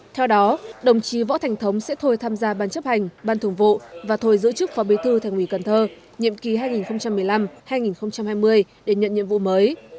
theo đó đồng chí võ thành thống sẽ thôi tham gia ban chấp hành ban thường vụ và thôi giữ chức phó bí thư thành ủy cần thơ nhiệm kỳ hai nghìn một mươi năm hai nghìn hai mươi để nhận nhiệm vụ mới